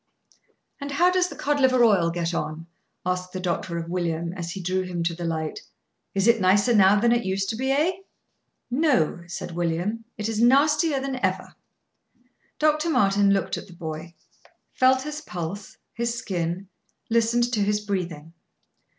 "And how does the cod liver oil get on?" asked the doctor of William, as he drew him to the light. "It is nicer now than it used to be, eh?" "No," said William; "it is nastier than ever." Dr. Martin looked at the boy; felt his pulse, his skin, listened to his breathing.